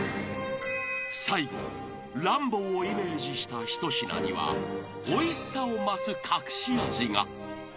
［最後『ランボー』をイメージした一品にはおいしさを増す隠し味が］